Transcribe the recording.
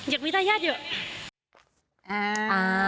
อยากมีทายาทเยอะ